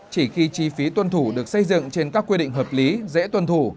chỉ khi chi phí tuân thủ được xây dựng trên các quy định hợp lý dễ tuân thủ